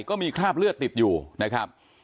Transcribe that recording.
ก็มีคราบเลือดติดอยู่นะครับ